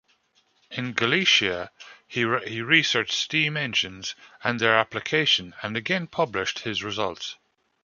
In Galicia he researched steam engines and their application, and again published his results.